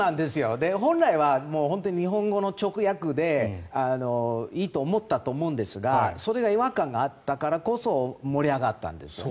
本来は日本語の直訳でいいと思ったと思うんですがそれが違和感があったからこそ盛り上がったんですよね。